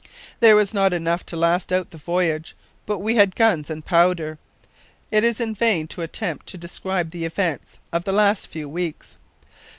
There was not enough to last out the voyage, but we had guns and powder. It is in vain to attempt to describe the events of the last few weeks.